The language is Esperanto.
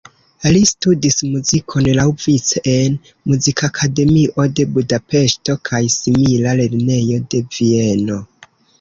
Li studis muzikon laŭvice en Muzikakademio de Budapeŝto kaj simila lernejo de Vieno.